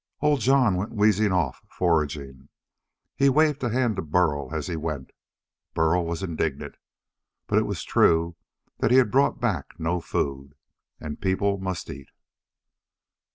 Old Jon went wheezing off, foraging. He waved a hand to Burl as he went. Burl was indignant. But it was true that he had brought back no food. And people must eat.